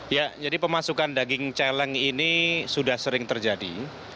ya jadi pemasukan daging celeng ini sudah sering terjadi